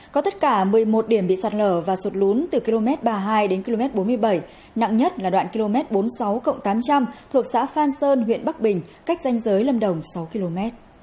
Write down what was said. có tất cả một mươi một điểm bị sạt lở và sụt lún từ km ba mươi hai đến km bốn mươi bảy nặng nhất là đoạn km bốn mươi sáu tám trăm linh thuộc xã phan sơn huyện bắc bình cách danh giới lâm đồng sáu km